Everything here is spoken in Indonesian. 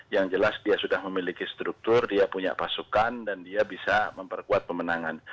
yang jelas dia sudah memiliki struktur dia punya pasukan dan dia bisa memperkuat pemenangan